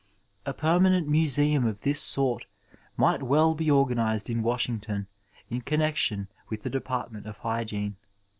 A permanent museum of this sort might well be organized in Washington in connexion with the Department of Hygiene.